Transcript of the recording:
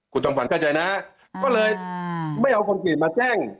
คุณจำขวัญเข้าใจนะก็เลยไม่เอาคนผิดมาแจ้ง